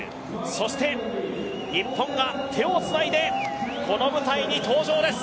そして日本が手をつないで、この舞台に登場です。